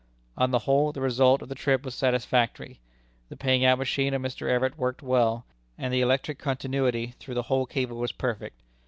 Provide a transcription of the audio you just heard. On the whole, the result of the trip was satisfactory. The paying out machine of Mr. Everett worked well, and the electric continuity through the whole cable was perfect.